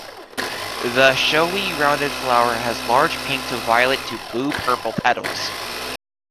The showy, rounded flower has large pink to violet to blue-purple petals.